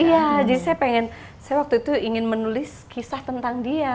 iya jadi saya ingin menulis kisah tentang dia